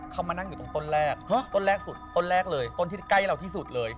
เขามานั่งอยู่ตรงต้นแรกต้นแรกสุดต้นแรกเลยต้นที่ใกล้เราที่สุดเลย